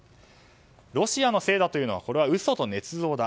ロシアのせいだというのは嘘とねつ造だ。